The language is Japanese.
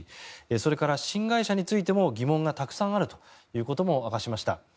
それから新会社についても疑問がたくさんあるということも明かしました。